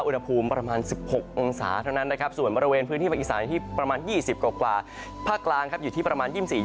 อุณหภูมิประมาณ๑๖องศาเท่านั้นนะครับส่วนบริเวณพื้นที่ภาคอีสานที่ประมาณ๒๐กว่าภาคกลางครับอยู่ที่ประมาณ๒๔๒